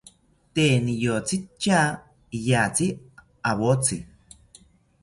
Tee niyotzi tya iyatzi awotzi